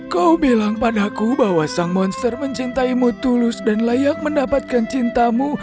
kau bilang padaku bahwa sang monster mencintaimu tulus dan layak mendapatkan cintamu